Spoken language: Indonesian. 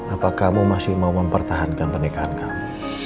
apa kamu masih mau mempertahankan pernikahan kamu